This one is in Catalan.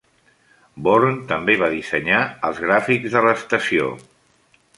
Born també va dissenyar els gràfics de l'estació.